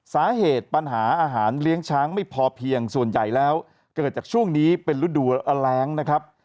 สาเหตุปัญหาอาหารเลี้ยงช้างไม่พอเพียงส่วนใหญ่แล้วเกิดจากช่วงนี้เป็นฤดูแรงนะครับ